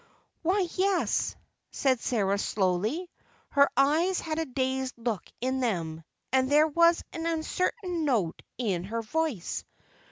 "Why, yes," said Sarah slowly. Her eyes had a dazed look in them, and there was an uncertain note in her voice.